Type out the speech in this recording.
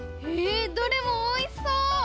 どれもおいしそう！